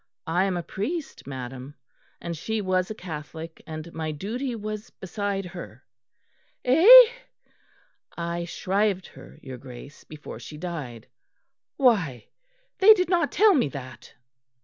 "I am a priest, madam, and she was a Catholic, and my duty was beside her." "Eh?" "I shrived her, your Grace, before she died." "Why! they did not tell me that."